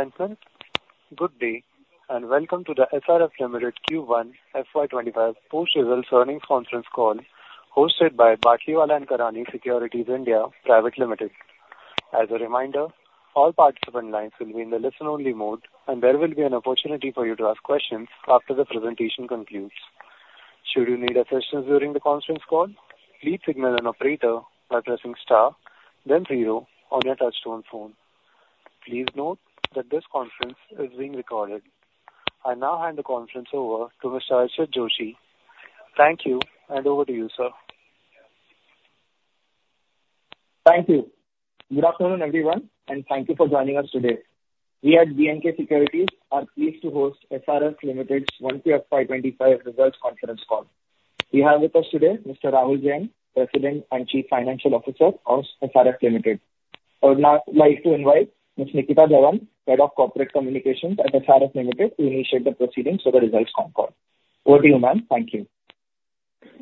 Ladies and gentlemen, good day, and welcome to the SRF Limited Q1 FY2025 post-results earnings conference call, hosted by Batlivala & Karani Securities India Pvt. Ltd. As a reminder, all participant lines will be in the listen-only mode, and there will be an opportunity for you to ask questions after the presentation concludes. Should you need assistance during the conference call, please signal an operator by pressing star, then zero on your touchtone phone. Please note that this conference is being recorded. I now hand the conference over to Mr. Archit Joshi. Thank you, and over to you, sir. Thank you. Good afternoon, everyone, and thank you for joining us today. We at B&K Securities are pleased to host SRF Limited's Q1 FY2025 results conference call. We have with us today Mr. Rahul Jain, President and Chief Financial Officer of SRF Limited. I would now like to invite Ms. Nitika Dhawan, Head of Corporate Communications at SRF Limited, to initiate the proceedings for the results conference call. Over to you, ma'am. Thank you.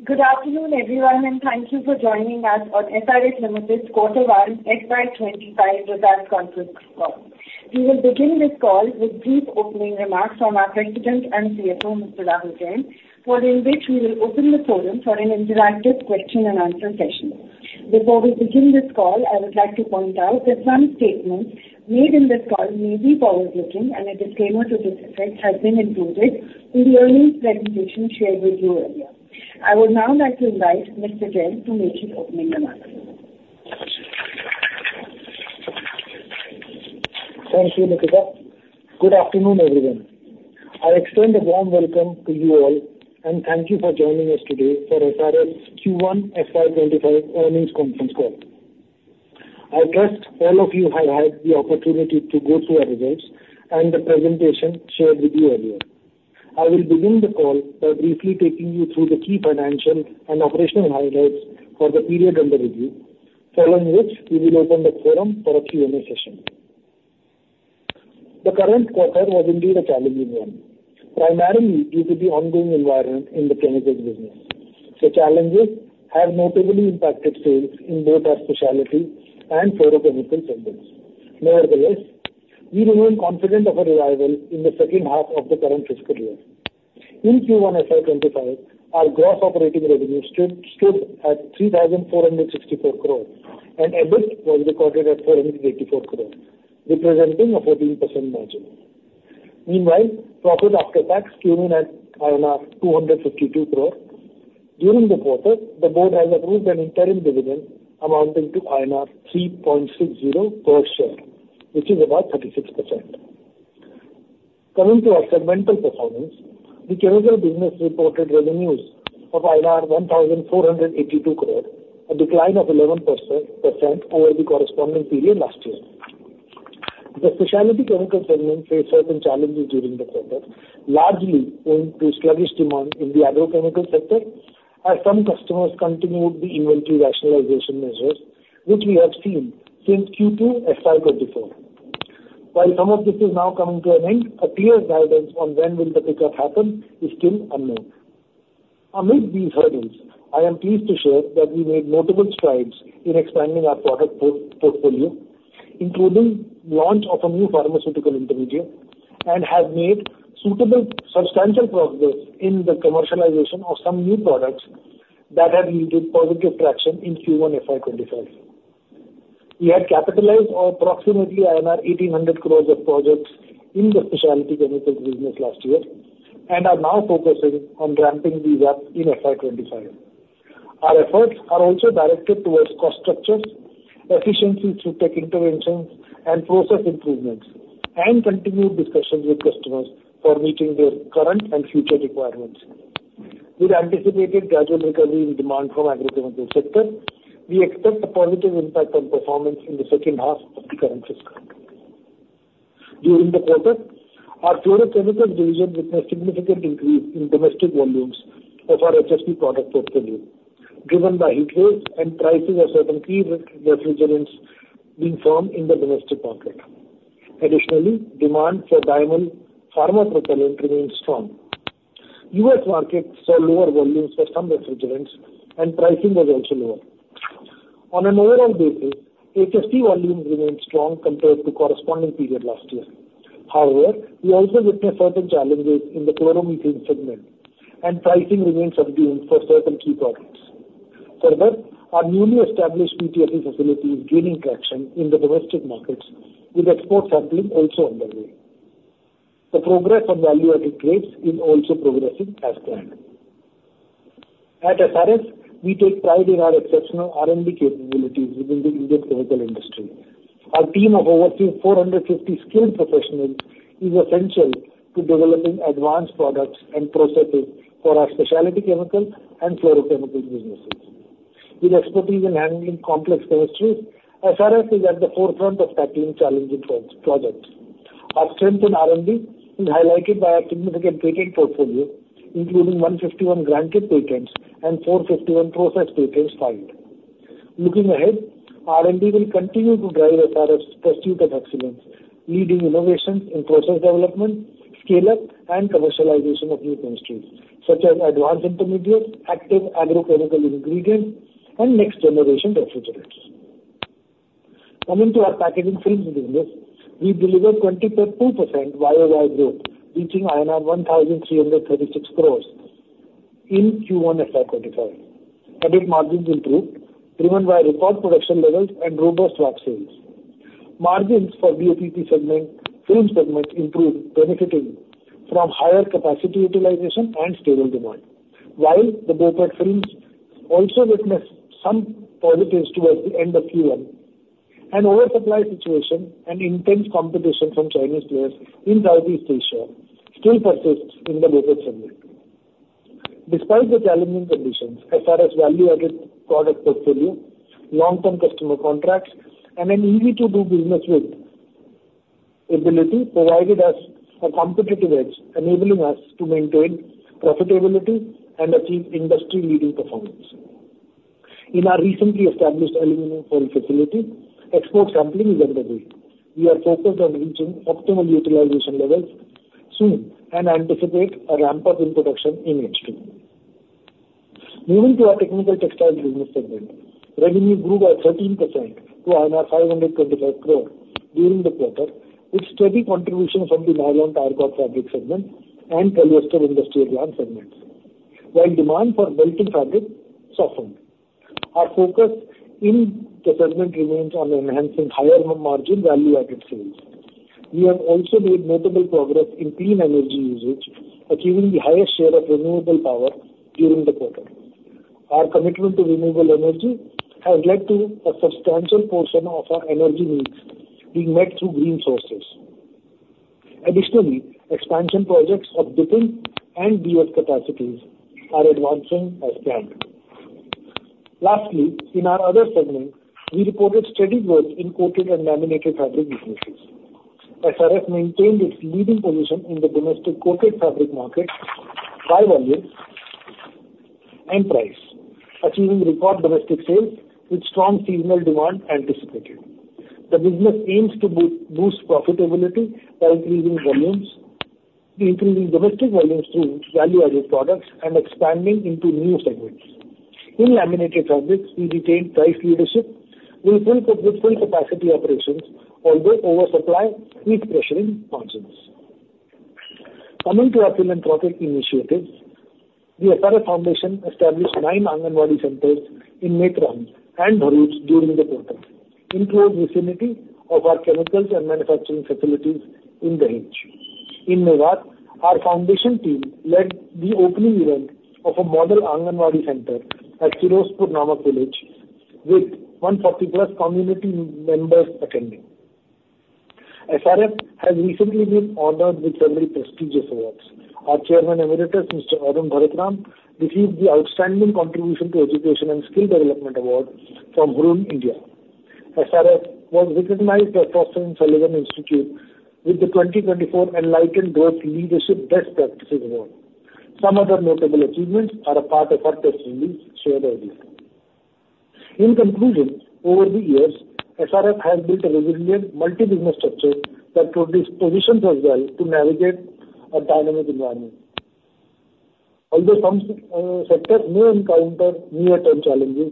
Good afternoon, everyone, and thank you for joining us on SRF Limited's Quarter 1 FY2025 results conference call. We will begin this call with brief opening remarks from our President and CFO, Mr. Rahul Jain, following which we will open the forum for an interactive question and answer session. Before we begin this call, I would like to point out that some statements made in this call may be forward-looking, and a disclaimer to this effect has been included in the earnings presentation shared with you earlier. I would now like to invite Mr. Jain to make his opening remarks. Thank you, Nikita. Good afternoon, everyone. I extend a warm welcome to you all, and thank you for joining us today for SRF's Q1 FY2025 earnings conference call. I trust all of you have had the opportunity to go through our results and the presentation shared with you earlier. I will begin the call by briefly taking you through the key financial and operational highlights for the period under review, following which we will open the forum for a Q&A session. The current quarter was indeed a challenging one, primarily due to the ongoing environment in the chemicals business. The challenges have notably impacted sales in both our specialty and fluorochemical segments. Nevertheless, we remain confident of a revival in the second half of the current fiscal year. In Q1 FY2025, our gross operating revenue stood at 3,464 crore, and EBIT was recorded at 484 crore, representing a 14% margin. Meanwhile, profit after tax came in at 252 crore. During the quarter, the board has approved an interim dividend amounting to INR 3.60 per share, which is about 36%. Coming to our segmental performance, the chemical business reported revenues of 1,482 crore, a decline of 11% over the corresponding period last year. The specialty chemical segment faced certain challenges during the quarter, largely owing to sluggish demand in the agrochemical sector, as some customers continued the inventory rationalization measures, which we have seen since Q2 FY2024. While some of this is now coming to an end, a clear guidance on when will the pickup happen is still unknown. Amidst these hurdles, I am pleased to share that we made notable strides in expanding our product portfolio, including launch of a new pharmaceutical intermediate, and have made suitable substantial progress in the commercialization of some new products that have yielded positive traction in Q1 FY2025. We had capitalized on approximately 1,800 crores of projects in the specialty chemicals business last year and are now focusing on ramping these up in FY2025. Our efforts are also directed towards cost structures, efficiency through tech interventions and process improvements, and continued discussions with customers for meeting their current and future requirements. With anticipated gradual recovery in demand from agrochemical sector, we expect a positive impact on performance in the second half of the current fiscal. During the quarter, our fluorochemical division witnessed a significant increase in domestic volumes of our HFC product portfolio, driven by heatwaves and pricing of certain key refrigerants being firm in the domestic market. Additionally, demand for diamine pharma propellant remained strong. U.S. markets saw lower volumes for some refrigerants, and pricing was also lower. On an overall basis, HFC volumes remained strong compared to corresponding period last year. However, we also witnessed certain challenges in the chloromethane segment, and pricing remains subdued for certain key products. Further, our newly established PTFE facility is gaining traction in the domestic markets, with export sampling also underway. The progress on value-added grades is also progressing as planned. At SRF, we take pride in our exceptional R&D capabilities within the Indian chemical industry. Our team of over 450 skilled professionals is essential to developing advanced products and processes for our specialty chemical and fluorochemical businesses. With expertise in handling complex chemistries, SRF is at the forefront of tackling challenging projects. Our strength in R&D is highlighted by our significant patent portfolio, including 151 granted patents and 451 process patents filed. Looking ahead, R&D will continue to drive SRF's pursuit of excellence, leading innovations in process development, scale-up, and commercialization of new chemistries, such as advanced intermediates, active agrochemical ingredients, and next generation refrigerants. Coming to our packaging films business, we delivered 22% YoY growth, reaching INR 1,336 crores in Q1 FY2025. Profit margins improved, driven by record production levels and robust box sales. Margins for BOPP segment, film segment improved, benefiting from higher capacity utilization and stable demand. While the BOPET films also witnessed some positives towards the end of Q1, an oversupply situation and intense competition from Chinese players in Southeast Asia still persists in the BOPET segment. Despite the challenging conditions, SRF's value-added product portfolio, long-term customer contracts, and an easy-to-do business with ability provided us a competitive edge, enabling us to maintain profitability and achieve industry-leading performance. In our recently established aluminum foil facility, export sampling is underway. We are focused on reaching optimal utilization levels soon and anticipate a ramp-up in production in H2. Moving to our technical textiles business segment, revenue grew by 13% to 525 crore during the quarter, with steady contribution from the nylon tarpaulin fabric segment and polyester industrial yarn segments, while demand for belting fabric softened. Our focus in the segment remains on enhancing higher margin value-added sales. We have also made notable progress in clean energy usage, achieving the highest share of renewable power during the quarter. Our commitment to renewable energy has led to a substantial portion of our energy needs being met through green sources. Additionally, expansion projects of dipping and BF capacities are advancing as planned. Lastly, in our other segment, we reported steady growth in coated and laminated fabric businesses. SRF maintained its leading position in the domestic coated fabric market by volume and price, achieving record domestic sales with strong seasonal demand anticipated. The business aims to boost profitability by increasing volumes, increasing domestic volumes through value-added products, and expanding into new segments. In laminated fabrics, we retained price leadership with full capacity operations, although oversupply is pressuring margins. Coming to our philanthropic initiatives, the SRF Foundation established nine Anganwadi centers in Netrang and Bharuch during the quarter, in close vicinity of our chemicals and manufacturing facilities in Dahej. In Mewat, our foundation team led the opening event of a model Anganwadi center at Firozpur Namak Village, with 140+ community members attending. SRF has recently been honored with very prestigious awards. Our Chairman Emeritus, Mr. Arun Bharat Ram, received the Outstanding Contribution to Education and Skill Development Award from Hurun India. SRF was recognized by Frost & Sullivan Institute with the 2024 Enlightened Growth Leadership Best Practices Award. Some other notable achievements are a part of our press release shared earlier. In conclusion, over the years, SRF has built a resilient multi-business structure that positions us well to navigate a dynamic environment. Although some sectors may encounter near-term challenges,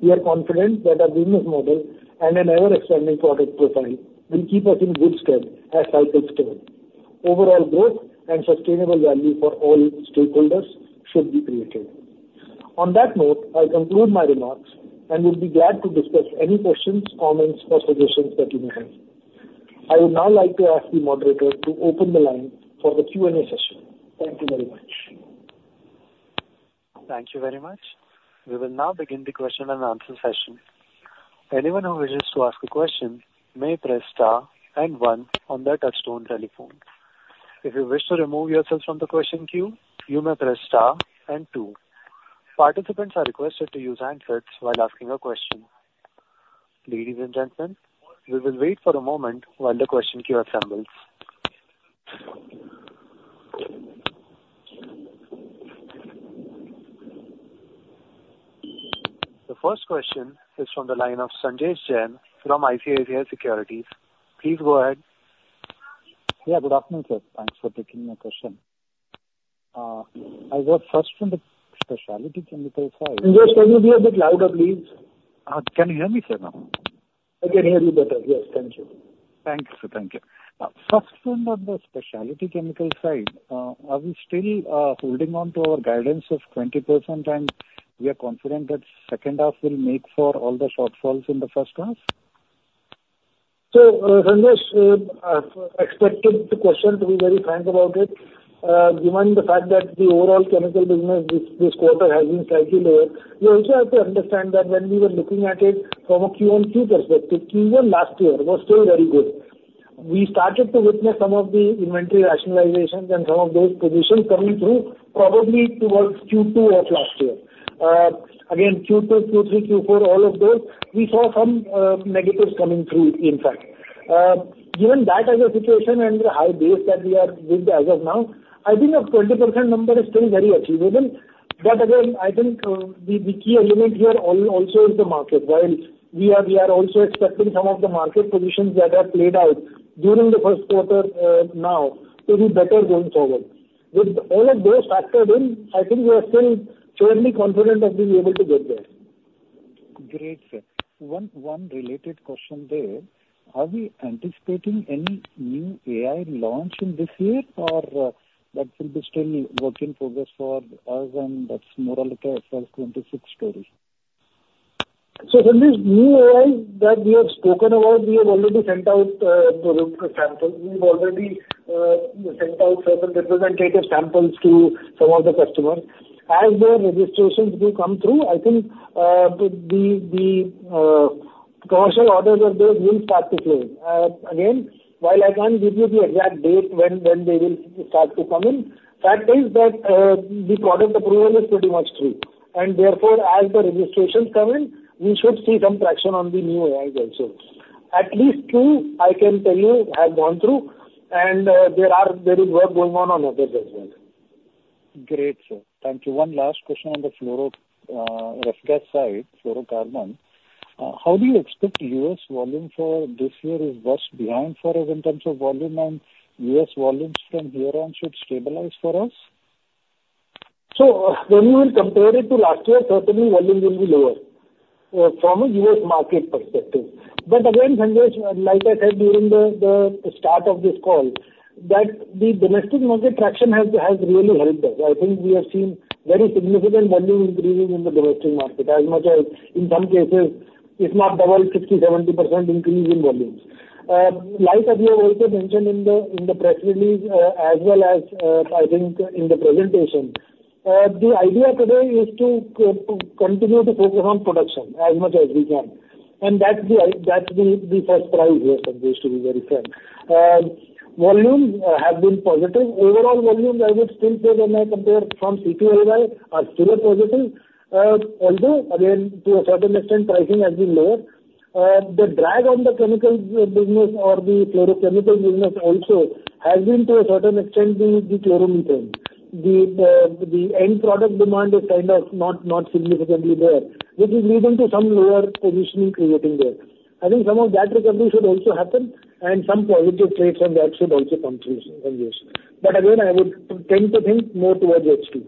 we are confident that our business model and an ever-expanding product profile will keep us in good stead as cycles turn. Overall growth and sustainable value for all stakeholders should be created. On that note, I conclude my remarks and would be glad to discuss any questions, comments, or suggestions that you may have. I would now like to ask the moderator to open the line for the Q&A session. Thank you very much. Thank you very much. We will now begin the question and answer session. Anyone who wishes to ask a question may press star and one on their touchtone telephone. If you wish to remove yourself from the question queue, you may press star and two. Participants are requested to use handsets while asking a question. Ladies and gentlemen, we will wait for a moment while the question queue assembles. The first question is from the line of Sanjesh Jain from ICICI Securities. Please go ahead. Yeah, good afternoon, sir. Thanks for taking my question. I was first on the specialty chemical side- Sanjesh, can you be a bit louder, please? Can you hear me, sir, now? I can hear you better. Yes, thank you. Thank you, sir. Thank you. First, on the specialty chemical side, are we still holding on to our guidance of 20%, and we are confident that second half will make for all the shortfalls in the first half? So, Sanjesh, I expected the question, to be very frank about it. Given the fact that the overall chemical business this, this quarter has been slightly lower, you also have to understand that when we were looking at it from a QoQ perspective, Q1 last year was still very good. We started to witness some of the inventory rationalizations and some of those positions coming through, probably towards Q2 of last year. Again, Q2, Q3, Q4, all of those, we saw some negatives coming through, in fact. Given that as a situation and the high base that we are with as of now, I think a 20% number is still very achievable. But again, I think, the, the key element here also is the market. While we are also expecting some of the market positions that have played out during the first quarter now to be better going forward. With all of those factored in, I think we are still fairly confident of being able to get there. Great, sir. One more related question there: Are we anticipating any new AI launch in this year, or that will be still work in progress for us, and that's more like a FY2026 story? So in this new AI that we have spoken about, we have already sent out the samples. We've already sent out certain representative samples to some of the customers. As their registrations do come through, I think the commercial orders of those will start to flow. Again, while I can't give you the exact date when they will start to come in, fact is that the product approval is pretty much through. And therefore, as the registrations come in, we should see some traction on the new AI also. At least two, I can tell you, have gone through, and there is work going on on others as well. Great, sir. Thank you. One last question on the fluoro, refrigerant gas side, fluorocarbon. How do you expect U.S. volume for this year? Is the worst behind for us in terms of volume, and U.S. volumes from here on should stabilize for us? So when you will compare it to last year, certainly volume will be lower from a U.S. market perspective. But again, Sanjesh, like I said during the start of this call, that the domestic market traction has really helped us. I think we have seen very significant volume increases in the domestic market, as much as, in some cases, if not double, 60%-70% increase in volumes. Like we have also mentioned in the press release, as well as, I think in the presentation, the idea today is to continue to focus on production as much as we can. And that's the first priority here, Sanjesh, to be very frank. Volumes have been positive. Overall volumes, I would still say when I compare from Q1 are still positive, although, again, to a certain extent, pricing has been lower. The drag on the chemical business or the fluorochemical business also has been, to a certain extent, the chloromethane. The end product demand is kind of not significantly there, which is leading to some lower pricing creating there. I think some of that recovery should also happen, and some positive trends on that should also come through from this. But again, I would tend to think more towards H2.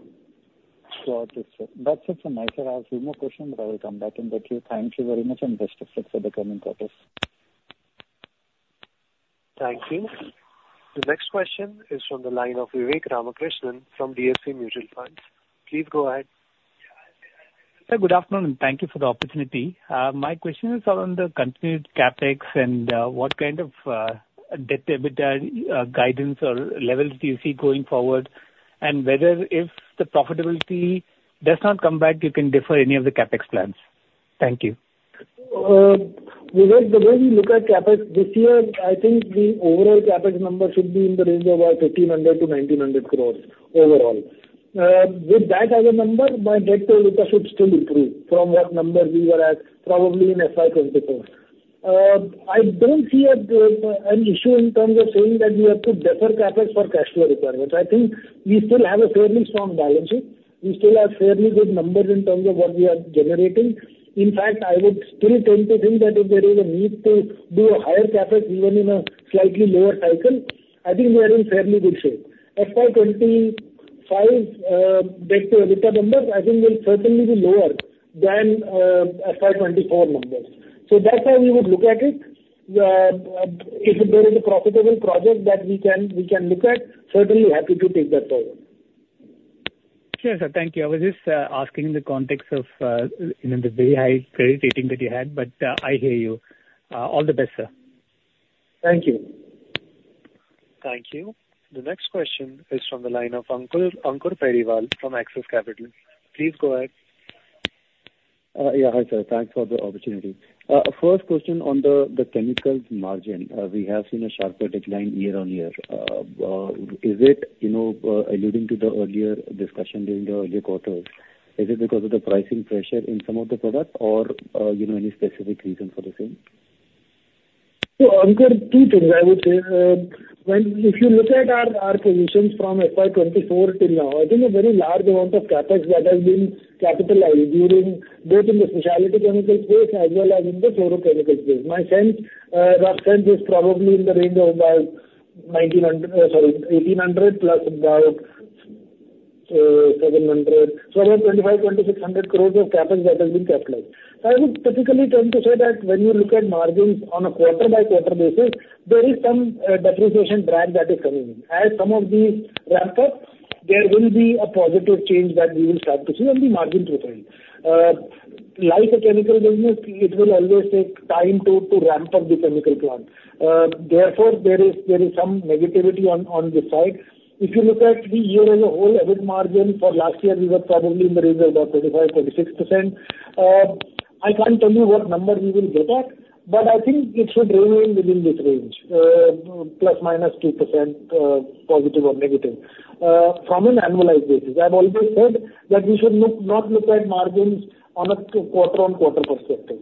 Got it, sir. That's it from my side. I have a few more questions, but I will come back in with you. Thank you very much, and best of luck for the coming quarters. Thank you. The next question is from the line of Vivek Ramakrishnan from DSP Mutual Fund. Please go ahead. Good afternoon, and thank you for the opportunity. My question is around the continued CapEx and what kind of debt/EBITDA guidance or levels do you see going forward, and whether if the profitability does not come back, you can defer any of the CapEx plans? Thank you. Vivek, the way we look at CapEx, this year, I think the overall CapEx number should be in the range of about 1,300 crores -1,900 crores overall. With that as a number, my debt to EBITDA should still improve from what number we were at, probably in FY2024. I don't see an issue in terms of saying that we have to defer CapEx for cash flow requirements. I think we still have a fairly strong balance sheet. We still have fairly good numbers in terms of what we are generating. In fact, I would still tend to think that if there is a need to do a higher CapEx, even in a slightly lower cycle, I think we are in fairly good shape. FY2025, debt to EBITDA numbers, I think will certainly be lower than, FY2024 numbers. That's how we would look at it. If there is a profitable project that we can look at, certainly happy to take that forward. Sure, sir. Thank you. I was just asking in the context of, you know, the very high credit rating that you had, but, I hear you. All the best, sir. Thank you. Thank you. The next question is from the line of Ankur, Ankur Periwal from Axis Capital. Please go ahead. Yeah, hi, sir. Thanks for the opportunity. First question on the chemicals margin. We have seen a sharper decline year-on-year. Is it, you know, alluding to the earlier discussion during the earlier quarters? Is it because of the pricing pressure in some of the products or, you know, any specific reason for the same? So, Ankur, two things I would say. When, if you look at our positions from FY2024 till now, I think a very large amount of CapEx that has been capitalized during both in the specialty chemical space as well as in the fluorochemical space. My sense, rough sense, is probably in the range of about 1,900, sorry, 1,800+ about 700, so around 2,500 crores -2,600 crores of CapEx that has been capitalized. I would typically tend to say that when you look at margins on a quarter-by-quarter basis, there is some depreciation drag that is coming in. As some of these ramp up, there will be a positive change that we will start to see on the margin profile. Like a chemical business, it will always take time to ramp up the chemical plant. Therefore, there is some negativity on this side. If you look at the year as a whole, EBIT margin for last year, we were probably in the range of about 35%-36%. I can't tell you what number we will get at, but I think it should remain within this range, ±2%, positive or negative, from an annualized basis. I've always said that we should not look at margins on a quarter-on-quarter perspective.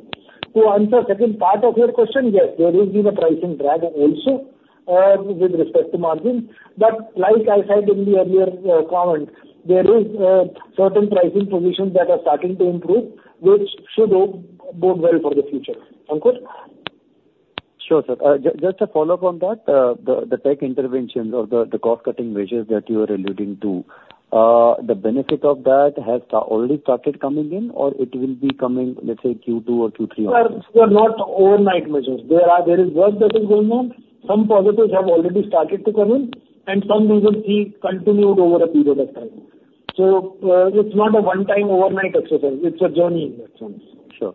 To answer the second part of your question, yes, there has been a pricing drag also, with respect to margins, but like I said in the earlier comment, there is certain pricing positions that are starting to improve, which should go well for the future, Ankur.... Sure, sir. Just a follow-up on that, the tech interventions or the cost-cutting measures that you are alluding to, the benefit of that has already started coming in or it will be coming, let's say, Q2 or Q3? Sir, they're not overnight measures. There is work that is going on. Some positives have already started to come in, and some we will see continued over a period of time. So, it's not a one-time overnight exercise. It's a journey in that sense. Sure.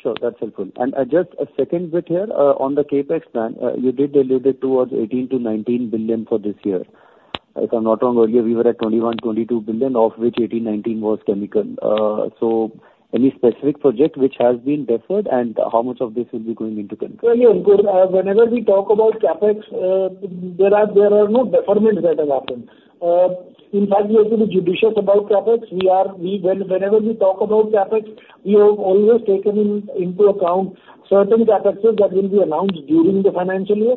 Sure, that's helpful. Just a second bit here, on the CapEx plan, you did allude it towards 18 billion-19 billion for this year. If I'm not wrong, earlier, we were at 21 billion-22 billion, of which 18 billion-19 billion was chemical. So any specific project which has been deferred, and how much of this will be going into chemical? Well, yeah, good. Whenever we talk about CapEx, there are no deferments that have happened. In fact, we have been judicious about CapEx. Whenever we talk about CapEx, we have always taken into account certain CapExes that will be announced during the financial year,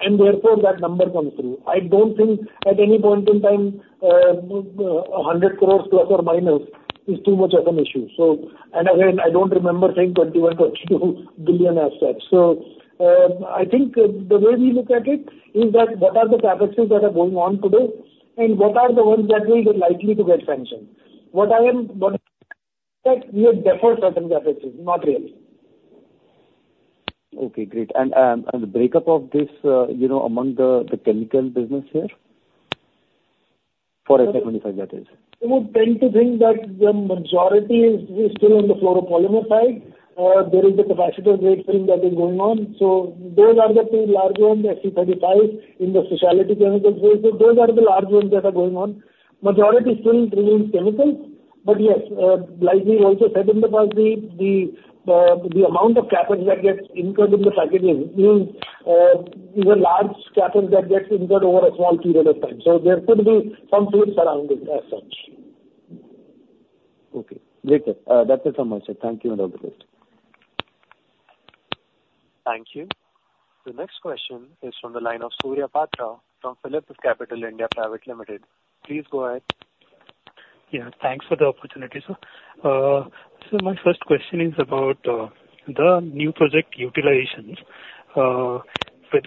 and therefore, that number comes through. I don't think at any point in time, INR 100± crore is too much of an issue. So, and again, I don't remember saying 21 billion-22 billion as such. So, I think the way we look at it is that what are the CapExes that are going on today, and what are the ones that will be likely to get sanctioned? That we have deferred certain CapExes? Not really. Okay, great. And the breakup of this, you know, among the chemical business here? For FY2025, that is. You would tend to think that the majority is still on the fluoropolymer side. There is the capacitor grade film that is going on. So those are the two large ones, P-35 in the specialty chemicals space. So those are the large ones that are going on. Majority still remains chemical, but yes, like we also said in the past, the amount of CapEx that gets incurred in the packages is a large CapEx that gets incurred over a small period of time. So there could be some flips around it as such. Okay, great. That's it from my side. Thank you, and all the best. Thank you. The next question is from the line of Surya Patra from PhillipCapital India Private Limited. Please go ahead. Yeah, thanks for the opportunity, sir. So my first question is about the new project utilizations, whether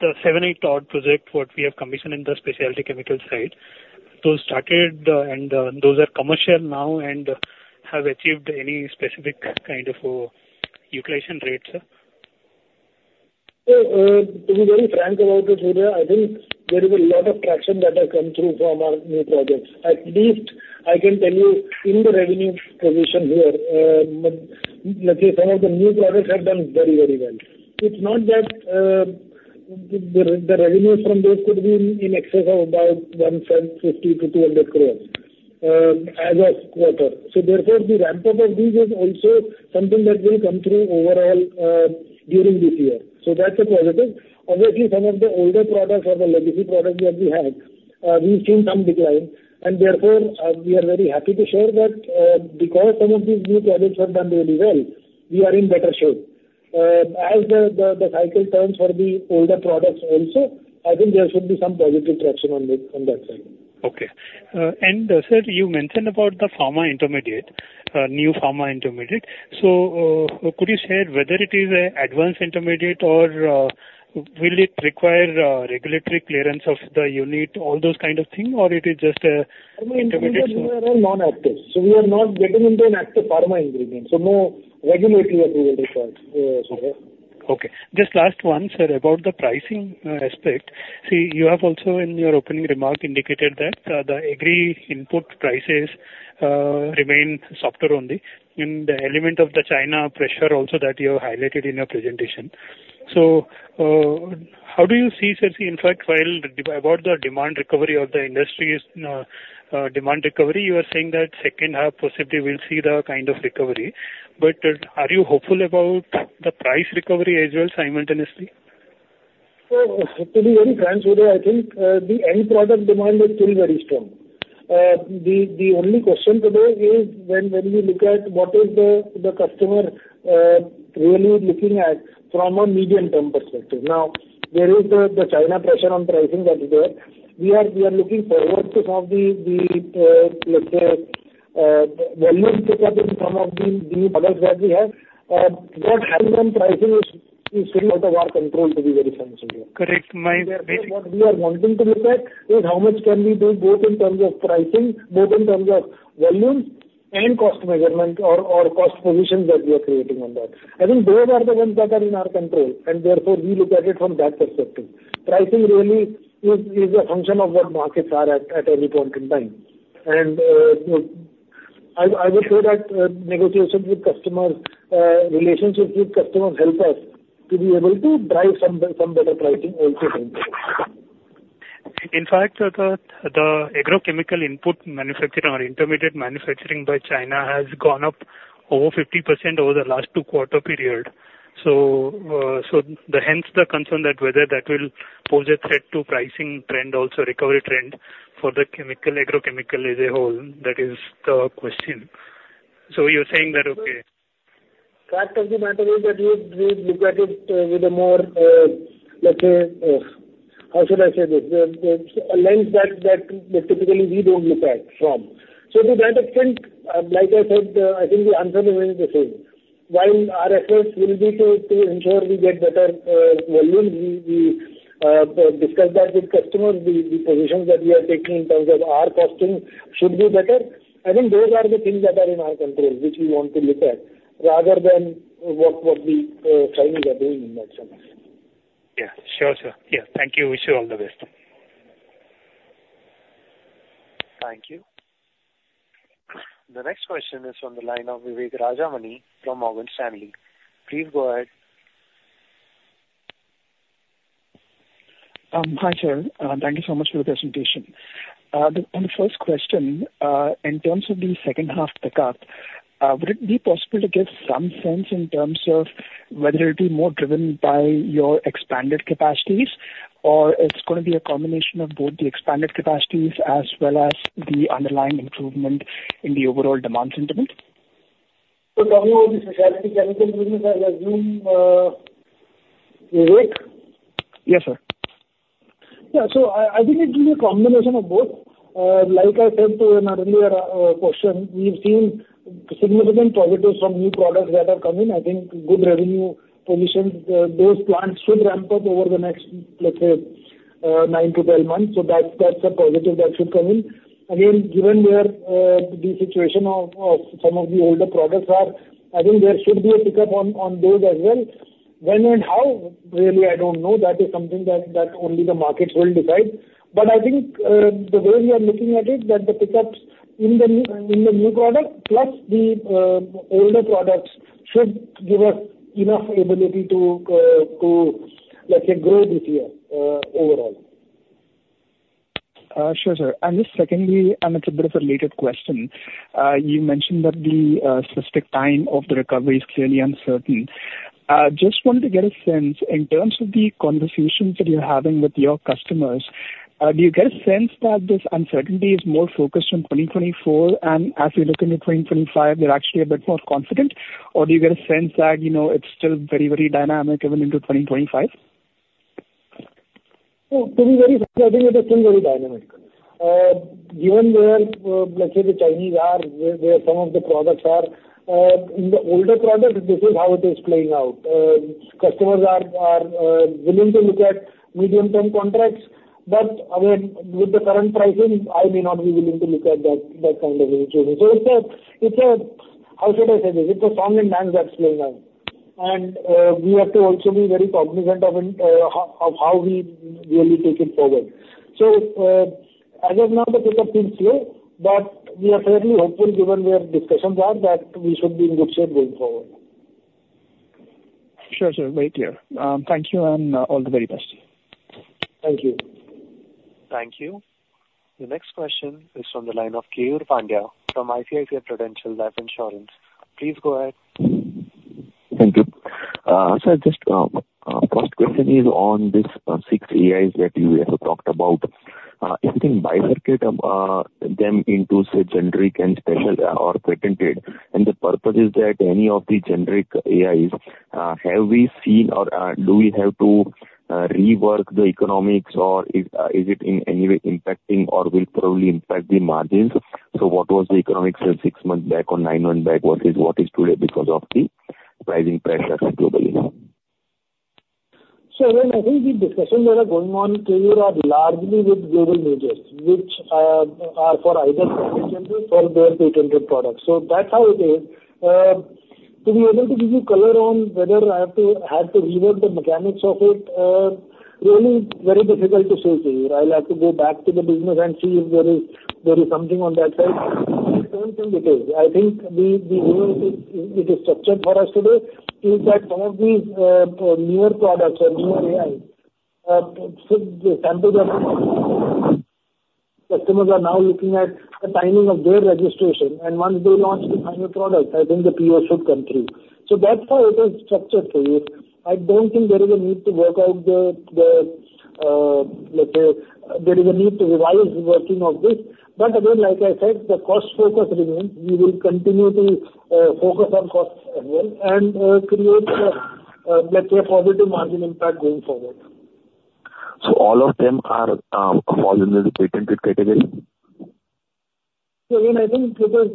the 78 tonne project, what we have commissioned in the specialty chemicals side, those started, and those are commercial now and have achieved any specific kind of utilization rate, sir? So, to be very frank about it, Surya, I think there is a lot of traction that has come through from our new projects. At least I can tell you in the revenue position here, let's say some of the new products have done very, very well. It's not that, the revenues from those could be in excess of about 150 crores -200 crores, as of quarter. So therefore, the ramp-up of these is also something that will come through overall, during this year. So that's a positive. Obviously, some of the older products or the legacy products that we had, we've seen some decline, and therefore, we are very happy to share that, because some of these new products have done really well, we are in better shape. As the cycle turns for the older products also, I think there should be some positive traction on this, on that side. Okay. And, sir, you mentioned about the pharma intermediate, new pharma intermediate. So, could you share whether it is an advanced intermediate or will it require regulatory clearance of the unit, all those kind of things, or it is just an intermediate? Pharma intermediates are all non-actives. So we are not getting into an active pharma ingredient, so no regulatory approval required, so yeah. Okay. Just last one, sir, about the pricing aspect. See, you have also, in your opening remark, indicated that the agri input prices remain softer only, and the element of the China pressure also that you have highlighted in your presentation. So, how do you see, sir, see, in fact, while about the demand recovery of the industry's demand recovery, you are saying that second half possibly will see the kind of recovery. But, are you hopeful about the price recovery as well simultaneously? To be very frank, Surya, I think the end product demand is still very strong. The only question today is when we look at what is the customer really looking at from a medium-term perspective. Now, there is the China pressure on pricing that is there. We are looking forward to some of the, let's say, volumes that have been some of the products that we have. What has been pricing is still out of our control, to be very frank, Surya. Correct. My- What we are wanting to look at is how much can we do, both in terms of pricing, both in terms of volume and cost management or cost positions that we are creating on that. I think those are the ones that are in our control, and therefore, we look at it from that perspective. Pricing really is a function of what markets are at any point in time. And I will say that negotiations with customers, relationships with customers help us to be able to drive some better pricing also from there. In fact, sir, the, the agrochemical input manufacturing or intermediate manufacturing by China has gone up over 50% over the last two quarter period. So, so hence the concern that whether that will pose a threat to pricing trend, also recovery trend for the chemical, agrochemical as a whole, that is the question. So you're saying that, okay- Fact of the matter is that we look at it with a more, let's say, How should I say this? There's a lens that typically we don't look at from. So to that extent, like I said, I think the answer remains the same. While our efforts will be to ensure we get better volume, we discuss that with customers, the positions that we are taking in terms of our costing should be better. I think those are the things that are in our control, which we want to look at, rather than what the Chinese are doing in that sense. Yeah. Sure, sir. Yeah. Thank you. Wish you all the best. Thank you. The next question is on the line of Vivek Rajamani from Morgan Stanley. Please go ahead. Hi, sir. Thank you so much for the presentation. On the first question, in terms of the second half pickup, would it be possible to give some sense in terms of whether it'll be more driven by your expanded capacities, or it's gonna be a combination of both the expanded capacities as well as the underlying improvement in the overall demand sentiment? Talking about the specialty chemical business, I assume, Vivek? Yes, sir. Yeah, so I think it will be a combination of both. Like I said to an earlier question, we've seen significant positives from new products that are coming. I think good revenue positions. Those plants should ramp up over the next, let's say, 9-12 months. So that's a positive that should come in. Again, given where the situation of some of the older products are, I think there should be a pickup on those as well. When and how, really, I don't know. That is something that only the markets will decide. But I think the way we are looking at it, that the pickups in the new, in the new product plus the older products should give us enough ability to, to, let's say, grow this year overall. Sure, sir. And just secondly, and it's a bit of a related question. You mentioned that the specific time of the recovery is clearly uncertain. Just wanted to get a sense, in terms of the conversations that you're having with your customers, do you get a sense that this uncertainty is more focused on 2024, and as we look into 2025, they're actually a bit more confident? Or do you get a sense that, you know, it's still very, very dynamic even into 2025? So to be very clear, I think it is still very dynamic. Given where, let's say the Chinese are, where some of the products are, in the older products, this is how it is playing out. Customers are willing to look at medium-term contracts, but again, with the current pricing, I may not be willing to look at that kind of an opportunity. So it's a... How should I say this? It's a song and dance that's playing out. And we have to also be very cognizant of how we really take it forward. So, as of now, the pickup seems clear, but we are fairly hopeful, given where discussions are, that we should be in good shape going forward. Sure, sir. Very clear. Thank you, and all the very best. Thank you. Thank you. The next question is from the line of Keyur Pandya from ICICI Prudential Life Insurance. Please go ahead. Thank you. So just, first question is on this, six AIs that you have talked about. You can bifurcate, them into, say, generic and special, or patented, and the purpose is that any of the generic AIs, have we seen or, do we have to, rework the economics, or is, is it in any way impacting or will probably impact the margins? So what was the economics say six months back or nine months back versus what is today because of the pricing pressure globally? So then I think the discussions that are going on, Keyur, are largely with global majors, which are for either for their patented products. So that's how it is. To be able to give you color on whether I have to, I have to rework the mechanics of it, really very difficult to say, Keyur. I'll have to go back to the business and see if there is, there is something on that side. I think the way it is, it is structured for us today is that some of these newer products or newer AIs should be sampled. Customers are now looking at the timing of their registration, and once they launch the final product, I think the PO should come through. So that's how it is structured, Keyur. I don't think there is a need to work out the, let's say, there is a need to revise working of this. But again, like I said, the cost focus remains. We will continue to focus on costs as well and create, let's say, a positive margin impact going forward. So all of them are, fall into the patented category? So I think it is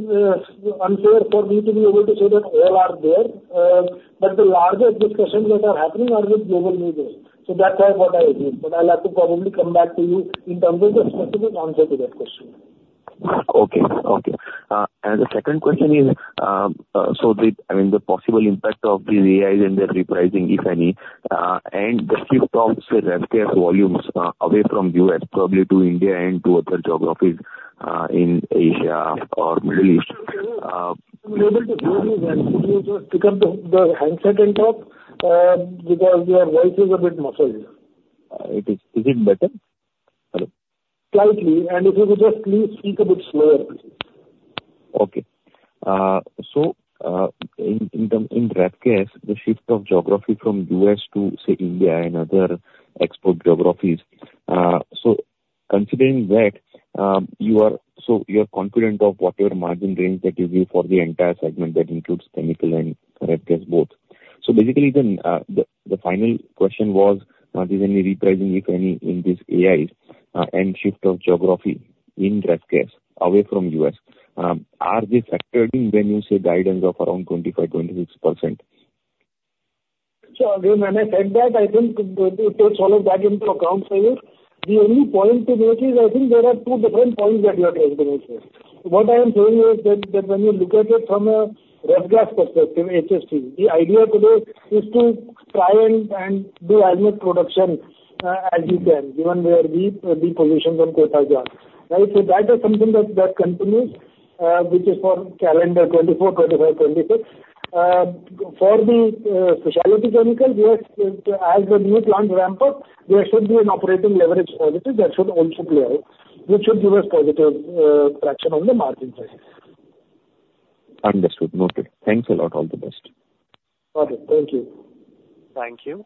unfair for me to be able to say that all are there, but the larger discussions that are happening are with global majors. So that's why what I agree, but I'll have to probably come back to you in terms of the specific answer to that question. Okay. Okay. And the second question is, so the, I mean, the possible impact of these AIs and their repricing, if any, and the shift of, say, refrigerant's volumes away from U.S. probably to India and to other geographies in Asia or Middle East,... Be able to hear you well. Could you just pick up the handset and talk, because your voice is a bit muffled? It is. Is it better? Hello. Slightly, and if you would just please speak a bit slower. Okay. So, in terms of refrigerants, the shift of geography from U.S. to, say, India and other export geographies, so considering that, you are, so you are confident of what your margin range that you give for the entire segment that includes chemical and refrigerant gas both. So basically, then, the final question was, is there any repricing, if any, in this AIs, and shift of geography in refrigerant gas away from U.S.? Are they factoring when you say guidance of around 25%-26%? So again, when I said that, I think it takes all of that into account for you. The only point to note is, I think there are two different points that you are raising here. What I am saying is that, that when you look at it from a refrigerant gas perspective, HFC, the idea today is to try and do as much production as we can, given where the positions on quota are, right? So that is something that continues, which is for calendar 2024, 2025, 2026. For the specialty chemical, yes, as the new plants ramp up, there should be an operating leverage positive that should also play out, which should give us positive traction on the margin side. Understood. Okay. Thanks a lot. All the best. Okay, thank you. Thank you.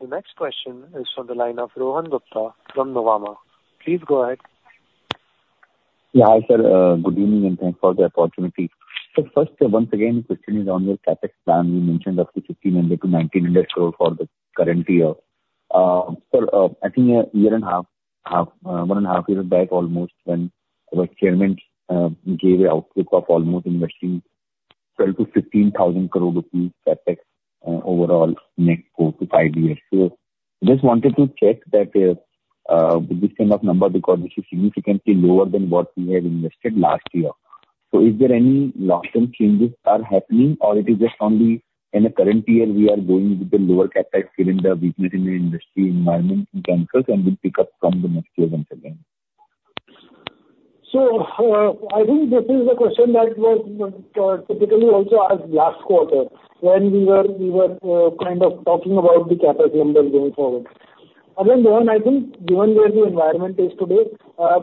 The next question is from the line of Rohan Gupta from Nuvama. Please go ahead. Yeah, hi, sir. Good evening, and thanks for the opportunity. So first, once again, question is on your CapEx plan. You mentioned up to 1,600 crore-1,900 crore for the current year. So, I think one and a half year back, almost, when our chairman gave an output of almost investing INR 12,000 crore-INR 15,000 crore CapEx, overall net over five years. So just wanted to check that, this kind of number, because this is significantly lower than what we had invested last year. So is there any long-term changes are happening, or it is just only in the current year, we are going with the lower CapEx given the weakness in the industry environment in general, and will pick up from the next year once again? So, I think this is a question that was typically also asked last quarter, when we were kind of talking about the CapEx numbers going forward. Again, Rohan, I think given where the environment is today,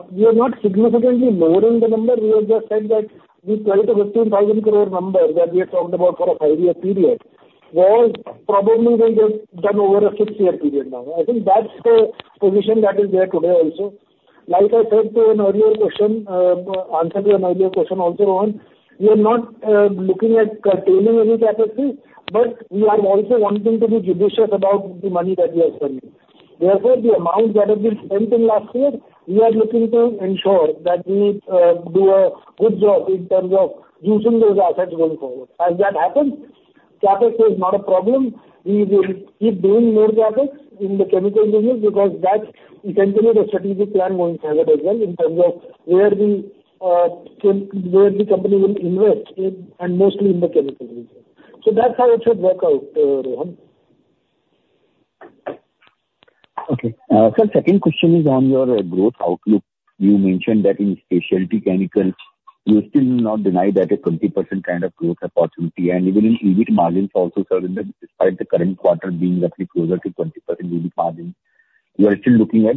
we are not significantly lowering the number. We have just said that the 12,000 crore-15,000 crore number that we had talked about for a five-year period will probably be just done over a six-year period now. I think that's the position that is there today also. Like I said in answer to an earlier question also, Rohan, we are not looking at curtailing any capacity, but we are also wanting to be judicious about the money that we are spending. Therefore, the amount that has been spent in last year, we are looking to ensure that we do a good job in terms of using those assets going forward. As that happens, CapEx is not a problem. We will keep doing more CapEx in the chemical business because that continues the strategic plan going forward as well, in terms of where we where the company will invest in, and mostly in the chemical business. So that's how it should work out, Rohan. Okay. Sir, second question is on your growth outlook. You mentioned that in specialty chemicals, you are still not denied that a 20% kind of growth opportunity, and even in EBIT margins also, sir, in the, despite the current quarter being roughly closer to 20% EBIT margin, you are still looking at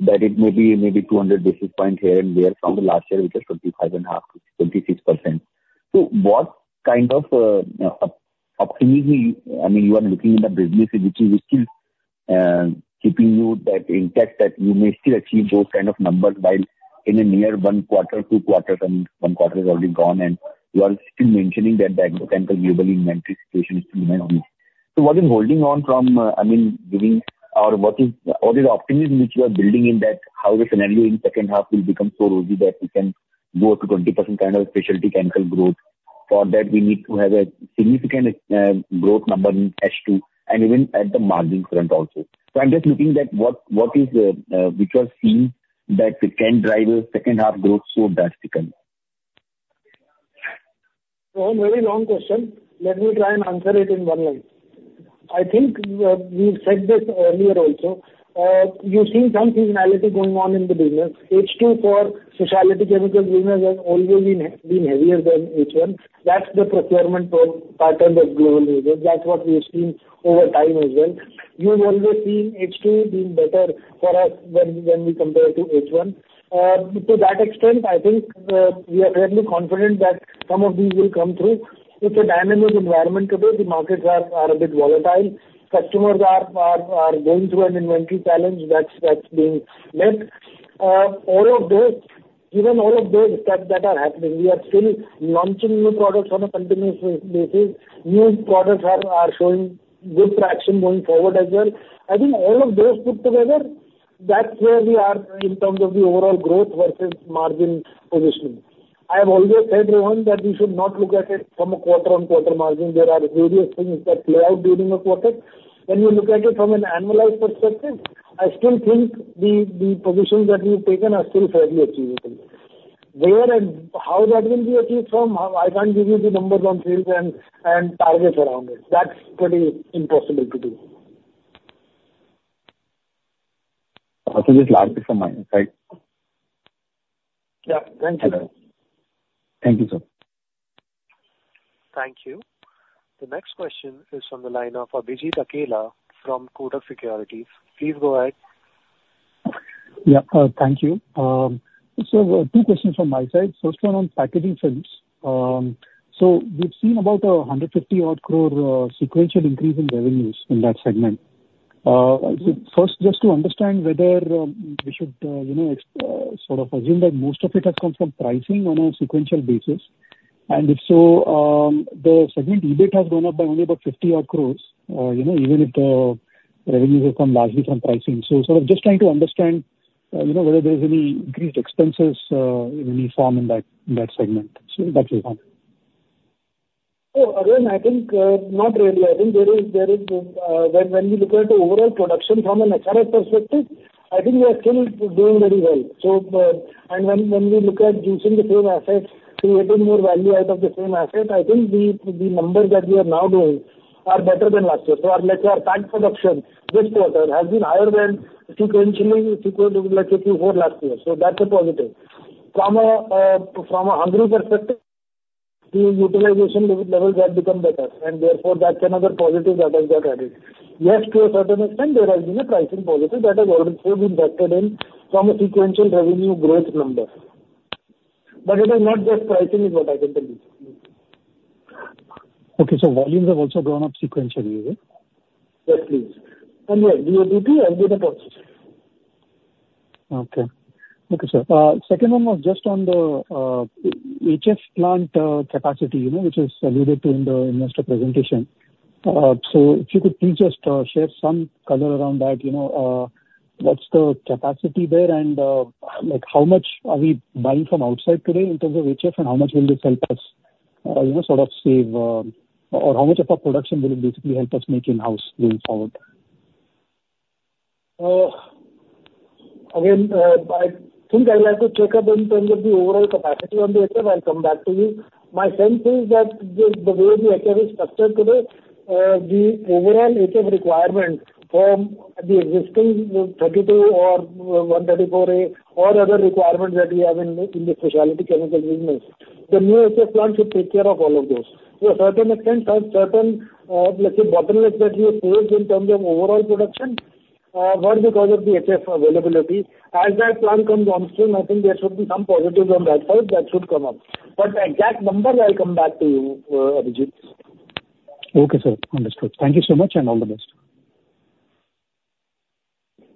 that it may be, maybe 200 basis points here and there from the last year, which is 25.5%-26%. So what kind of optimism, I mean, you are looking in the business, which is still keeping you that intact, that you may still achieve those kind of numbers by in the near one quarter, two quarters, and one quarter is already gone, and you are still mentioning that the chemical global inventory situation is still going on. So what is holding on from, I mean, giving or what is, what is the optimism which you are building in that, how the scenario in second half will become so rosy that we can go up to 20% kind of specialty chemical growth? For that, we need to have a significant growth number in H2 and even at the margin front also. So I'm just looking at what, what is the, which are seeing that it can drive a second half growth so drastically? So a very long question. Let me try and answer it in one line. I think, we've said this earlier also. You're seeing some seasonality going on in the business. H2 for specialty chemicals business has always been heavier than H1. That's the procurement term pattern of global business. That's what we have seen over time as well. You've always seen H2 being better for us when we compare to H1. To that extent, I think, we are fairly confident that some of these will come through. It's a dynamic environment today. The markets are a bit volatile. Customers are going through an inventory challenge that's being led. All of those, given all of those steps that are happening, we are still launching new products on a continuous basis. New products are showing good traction going forward as well. I think all of those put together, that's where we are in terms of the overall growth versus margin positioning. I have always said, Rohan, that you should not look at it from a quarter-on-quarter margin. There are various things that play out during a quarter. When you look at it from an annualized perspective, I still think the positions that we've taken are still fairly achievable. Where and how that will be achieved from, I can't give you the numbers on sales and targets around it. That's pretty impossible to do. Also just logical from my side. Yeah, thanks a lot. Thank you, sir. Thank you. The next question is from the line of Abhijit Akella from Kotak Securities. Please go ahead. Yeah, thank you. So, two questions from my side. First one on packaging films. So we've seen about 150-odd crore sequential increase in revenues in that segment. So first, just to understand whether we should, you know, sort of assume that most of it has come from pricing on a sequential basis? And if so, the segment EBIT has gone up by only about 50-odd crores, you know, even if the revenues have come largely from pricing. So sort of just trying to understand, you know, whether there's any increased expenses in any form in that segment. So that's it. So again, I think not really. I think there is, when we look at the overall production from an HR perspective, I think we are still doing really well. So, and when we look at using the same assets, creating more value out of the same asset, I think the numbers that we are now doing are better than last year. So our like our plant production this quarter has been higher than sequentially, let's say, before last year. So that's a positive. From an HR perspective, the utilization levels have become better, and therefore, that's another positive that has got added. Yes, to a certain extent, there has been a pricing positive that has also been factored in from a sequential revenue growth number. But it is not just pricing, is what I can tell you. Okay, so volumes have also grown up sequentially, right? Yes, please. Yeah, we will be in the process. Okay. Okay, sir. Second one was just on the HF plant capacity, you know, which is alluded to in the investor presentation. So if you could please just share some color around that, you know, what's the capacity there, and like, how much are we buying from outside today in terms of HF and how much will this help us, you know, sort of save, or how much of our production will it basically help us make in-house going forward? Again, I think I'll have to check up in terms of the overall capacity on the HF. I'll come back to you. My sense is that the way the HF is structured today, the overall HF requirement from the existing 32 or HFC-134a, or other requirements that we have in the specialty chemical business, the new HF plant should take care of all of those. To a certain extent, certain, let's say, bottlenecks that we have faced in terms of overall production, was because of the HF availability. As that plant comes downstream, I think there should be some positives on that front that should come up. But the exact number, I'll come back to you, Abhijit. Okay, sir. Understood. Thank you so much, and all the best.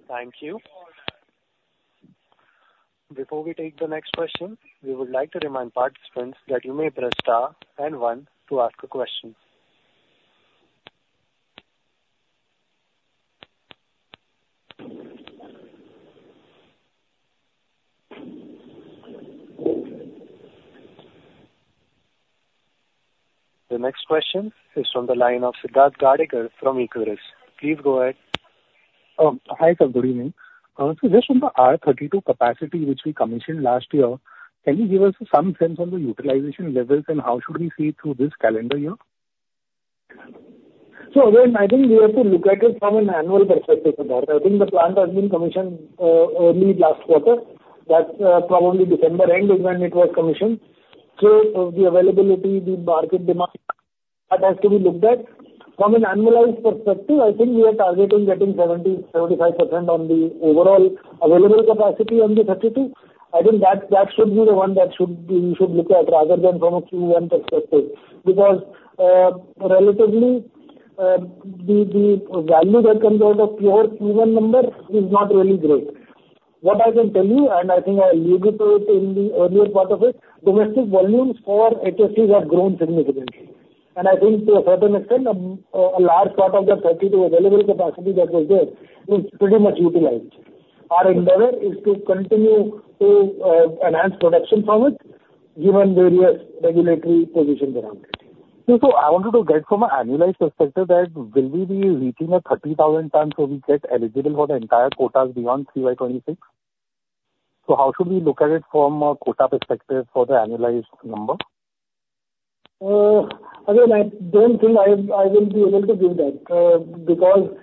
Thank you. Before we take the next question, we would like to remind participants that you may press Star and One to ask a question. The next question is from the line of Siddharth Gadekar from Equirus. Please go ahead. Hi, sir, good evening. Just from the R-32 capacity, which we commissioned last year, can you give us some sense on the utilization levels and how should we see it through this calendar year? So again, I think we have to look at it from an annual perspective about it. I think the plant has been commissioned early last quarter. That's probably December end is when it was commissioned. So the availability, the market demand, that has to be looked at. From an annualized perspective, I think we are targeting getting 70%-75% on the overall available capacity on the R-32. I think that should be the one that we should look at, rather than from a Q1 perspective. Because relatively, the value that comes out of pure Q1 number is not really great. What I can tell you, and I think I alluded to it in the earlier part of it, domestic volumes for HFCs have grown significantly. I think to a certain extent, a large part of the R32 available capacity that was there is pretty much utilized. Our endeavor is to continue to enhance production from it, given various regulatory positions around it. So, I wanted to get from an annualized perspective that will we be reaching a 30,000 ton, so we get eligible for the entire quotas beyond 2023 by 2026? So how should we look at it from a quota perspective for the annualized number? Again, I don't think I will be able to give that, because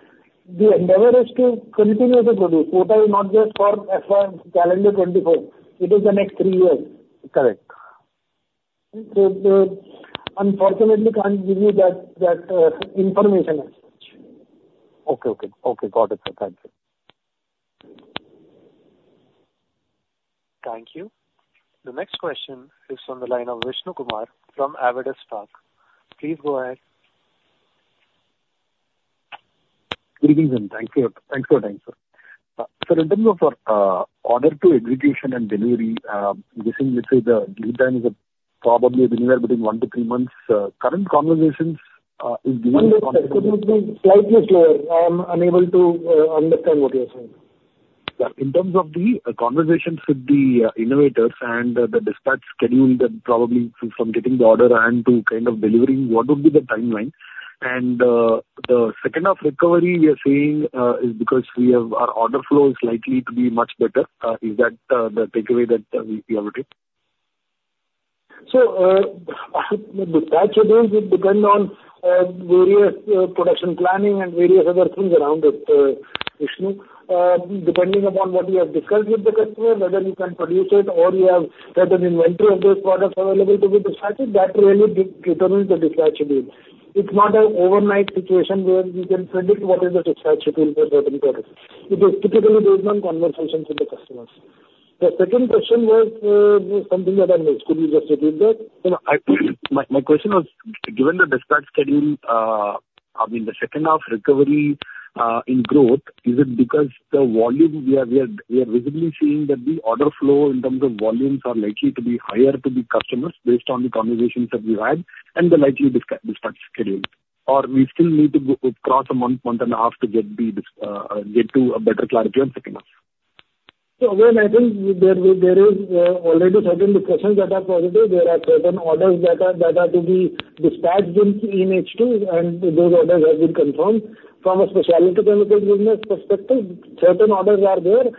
the endeavor is to continue to produce. Quota is not just for FY calendar 2024, it is the next three years. Correct. Unfortunately, can't give you that information as such. Okay, okay. Okay, got it, sir. Thank you. Thank you. The next question is on the line of Vishnu Kumar from Avendus Spark. Please go ahead. Good evening, and thank you. Thanks for your time, sir. Sir, in terms of order to execution and delivery, we think let's say the lead time is probably anywhere between one to three months. Current conversations is giving- Slightly slower. I am unable to understand what you're saying. Yeah. In terms of the conversations with the innovators and the dispatch schedule, that probably from getting the order and to kind of delivering, what would be the timeline? And the second of recovery we are seeing is because we have our order flow is likely to be much better. Is that the takeaway that we, we have today? So, the dispatch days will depend on various production planning and various other things around it, Vishnu. Depending upon what we have discussed with the customer, whether you can produce it or you have certain inventory of those products available to be dispatched, that really determines the dispatch date. It's not an overnight situation where we can predict what is the dispatch date for certain products. It basically based on conversations with the customers. The second question was something that I missed. Could you just repeat that? No, my question was, given the dispatch schedule, I mean, the second half recovery, in growth, is it because the volume we are visibly seeing that the order flow in terms of volumes are likely to be higher to the customers based on the conversations that we've had, and the likely dispatch schedules. Or we still need to go across a month and a half, to get to a better clarity on second half? So again, I think there is already certain discussions that are positive. There are certain orders that are to be dispatched in H2, and those orders have been confirmed. From a specialty chemicals business perspective, certain orders are there,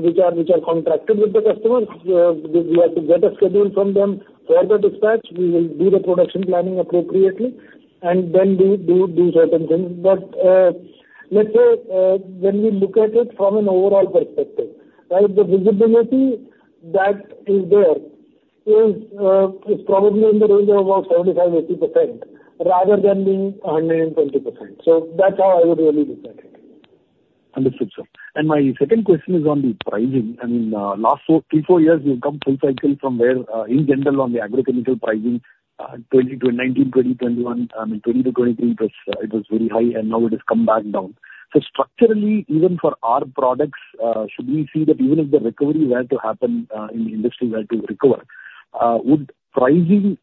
which are contracted with the customers. We have to get a schedule from them for the dispatch. We will do the production planning appropriately and then do certain things. But let's say, when we look at it from an overall perspective, right, the visibility that is there is probably in the range of about 75%-80%, rather than being 120%. So that's how I would really look at it. Understood, sir. And my second question is on the pricing. I mean, last three-four years, you've come full cycle from where, in general, on the agrochemical pricing, 2019, 2020, 2021, and 2022-23, it was very high and now it has come back down. So structurally, even for our products, should we see that even if the recovery were to happen, in the industry were to recover, would pricing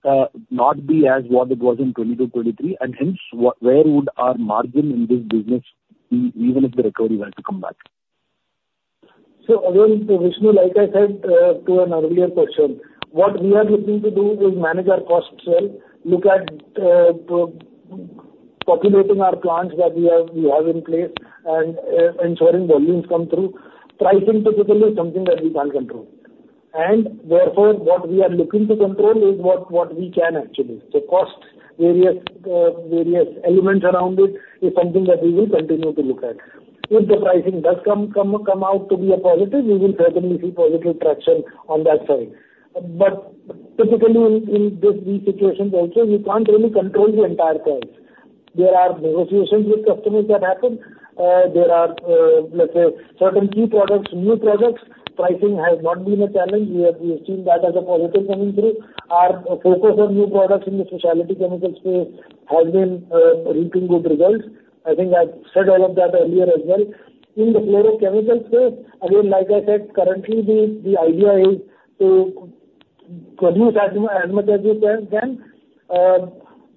not be as what it was in 2020-23? And hence, where would our margin in this business be, even if the recovery were to come back? So again, Vishnu, like I said, to an earlier question, what we are looking to do is manage our costs well, look at properly populating our plants that we have in place and ensuring volumes come through. Pricing particularly is something that we can't control, and therefore, what we are looking to control is what we can actually. So cost, various elements around it, is something that we will continue to look at. If the pricing does come out to be a positive, we will certainly see positive traction on that side. But typically, in these situations also, you can't really control the entire price. There are negotiations with customers that happen. There are, let's say, certain key products, new products, pricing has not been a challenge. We have seen that as a positive coming through. Our focus on new products in the specialty chemicals space has been reaping good results. I think I've said all of that earlier as well. In the fluorochemicals space, again, like I said, currently the idea is to produce as much as we can.